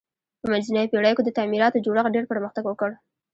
په منځنیو پیړیو کې د تعمیراتو جوړښت ډیر پرمختګ وکړ.